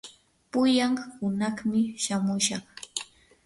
pullan hunaqmi shamushaq.